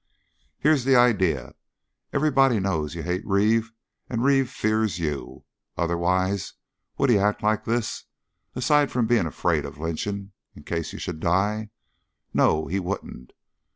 "Here's the idea. Everybody knows you hate Reeve, and Reeve fears you. Otherwise would he act like this, aside from being afraid of a lynching, in case you should die? No, he wouldn't.